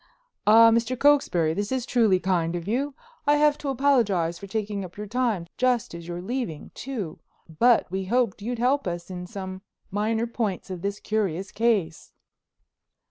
"Ah, Mr. Cokesbury, this is truly kind of you. I have to apologize for taking up your time, just as you're leaving, too, but we hoped you might help us in some minor points of this curious case."